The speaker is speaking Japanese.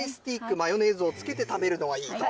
マヨネーズをつけて食べるのがいいと。